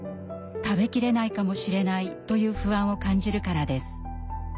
食べきれないかもしれないという不安を感じるからです。